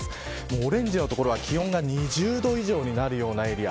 オレンジの所は気温が２０度以上になるようなエリア。